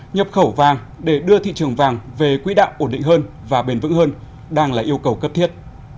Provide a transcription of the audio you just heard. nhập khẩu vàng để đưa thị trường vàng về quỹ đạo ổn định hơn và bền vững hơn đang là yêu cầu cấp thiết